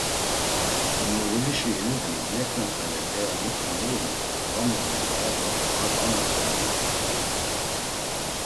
Murğulişi Eyubi neǩna ǩale p̌ea miti muluni va muluni, ya do a konatzomilu.